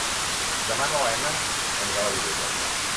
Demà na Lena anirà a la biblioteca.